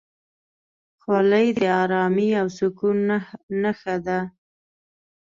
خولۍ د ارامۍ او سکون نښه ده.